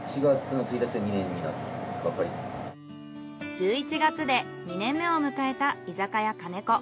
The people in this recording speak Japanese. １１月で２年目を迎えた居酒や兼子。